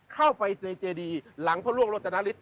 เข้าไปในเจดีย์หลังพระล่วงโรจนาฬิส